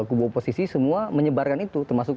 kubu oposisi semua menyebarkan itu termasuk